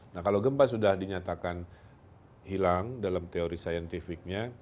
nah kalau gempa sudah dinyatakan hilang dalam teori saintifiknya